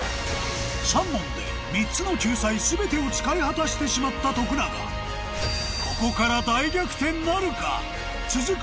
３問で３つの救済全てを使い果たしてしまった徳永ここから続く